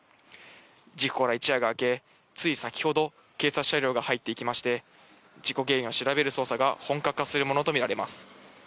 事故から一夜が明け、つい先程、警察車両が入っていきまして、事故原因を調べる捜査が本格化するものとみられます。